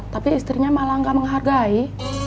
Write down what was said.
tapi istrinya malah gak menghargai